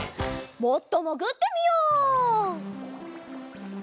もっともぐってみよう！